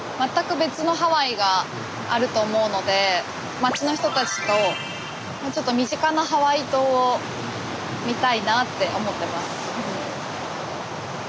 町の人たちとちょっと身近なハワイ島を見たいなって思ってます。